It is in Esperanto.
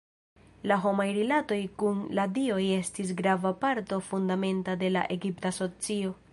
La homaj rilatoj kun la dioj estis grava parto fundamenta de la egipta socio.